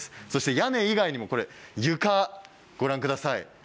屋根以外にも床をご覧ください。